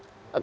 kalau ini tuh